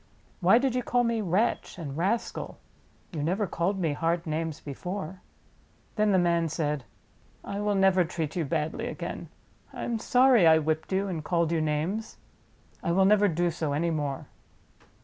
Why did you call me 'wretch' and 'rascal'? You never called me hard names before." Then the man said : "I will never treat you badly again. I am sorry I whipped you and called you names. I will never do so any more.